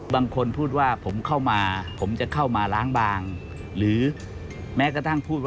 บางคนพูดว่าผมเข้ามาจะเข้ามาล้างบาง